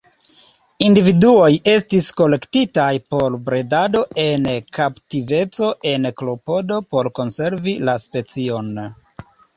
Individuoj estis kolektitaj por bredado en kaptiveco en klopodo por konservi la specion.